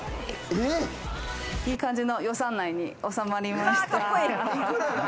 いい感じの予算内に収まりました。